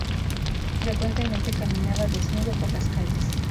Frecuentemente caminaba desnudo por las calles.